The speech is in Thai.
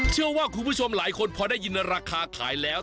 เชื่อว่าคุณผู้ชมหลายคนพอได้ยินราคาขายแล้ว